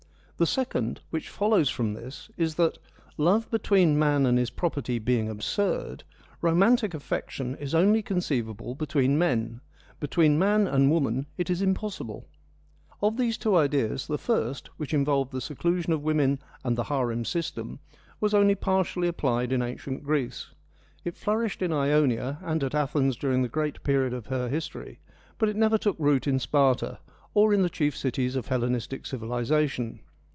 The second, which follows from this, is that, love between man and his property being absurd, romantic affection is only conceivable between men ; between man and woman it is im possible. Of these two ideas, the first, which in volved the seclusion of women and the harem system, 16 THE IONIANS AND HESIOD 17 was only partially applied in ancient Greece. It flourished in Ionia and at Athens during the great period of her history, but it never took root in Sparta, or in the chief cities of Hellenistic civilisation.